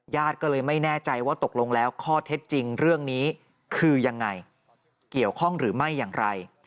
ญาติก็เลยไม่แน่ใจว่าตกลงแล้วข้อเท็จจริงเรื่องนี้คือยังไงเกี่ยวข้องหรือไม่อย่างไร